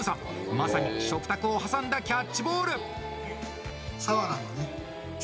まさに食卓を挟んだキャッチボール！